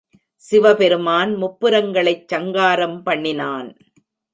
சிவபெருமான் முப்புரங்களைச் சங்காரம் பண்ணினான்.